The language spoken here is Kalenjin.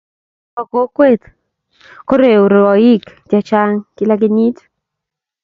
Ng'waek chebo kokwet koreu rwoiik chechaang' kila kenyiit